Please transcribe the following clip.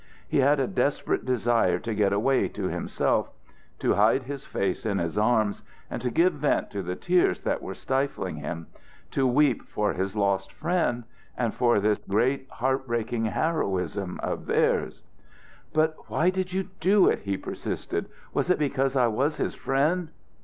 He had a desperate desire to get away to himself; to hide his face in his arms, and give vent to the tears that were stifling him; to weep for his lost friend, and for this great heartbreaking heroism of theirs. "But why did you do it?" he persisted. "Was it because I was his friend?"